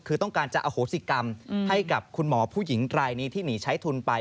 คือต้องการจะอโหสิกรรมให้กับคุณหมอผู้หญิงรายนี้ที่หนีใช้ทุนไป